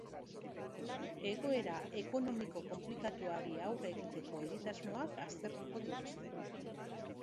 Egoera ekonomiko konplikatuari aurre egiteko egitasmoak aztertuko dituzte.